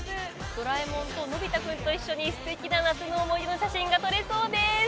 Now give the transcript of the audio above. ドラえもんとのび太くんと一緒に素敵な夏の思い出の写真が撮れそうです。